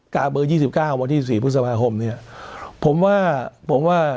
เบอร์ยี่สิบเก้าวันที่สี่พฤษภาคมเนี่ยผมว่าผมว่า